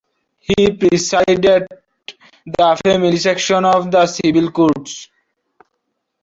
He presided the Family Section of the Civil Courts.